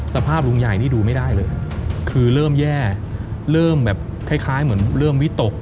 สภาพลุงใหญ่นี่ดูไม่ได้เลยคือเริ่มแย่เริ่มแบบคล้ายเหมือนเริ่มวิตก